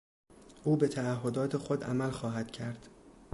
او به تعهدات خود عمل خواهد کرد.